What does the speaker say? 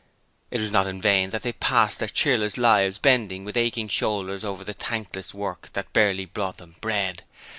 It was not in vain that they passed their cheerless lives bending with aching shoulders over the thankless work that barely brought them bread.